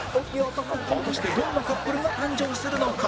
果たしてどんなカップルが誕生するのか？